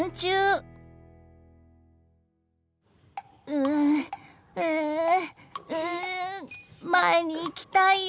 うんうんうん前に行きたいよ！